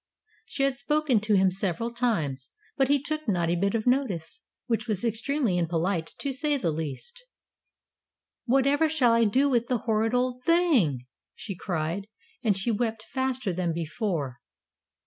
She had spoken to him several times, but he took not a bit of notice, which was extremely impolite, to say the least. "Whatever shall I do with the horrid old thing?" she cried, and she wept faster than before.